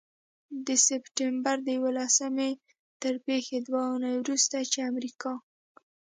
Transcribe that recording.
د سپټمبر د یوولسمې تر پيښو دوې اونۍ وروسته، چې امریکا